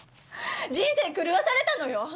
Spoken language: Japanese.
人生狂わされたのよ！？